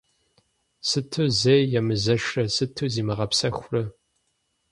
Сыту зэи емызэшрэ, сыту зимыгъэпсэхурэ?